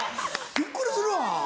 びっくりするわ。